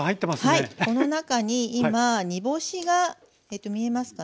この中に今煮干しが見えますかね。